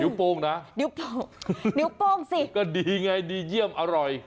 นิ้วโป้งนะนิ้วโป้งสิก็ดีไงดีเยี่ยมอร่อย